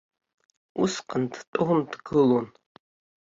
Усҟан дтәон, дгылон.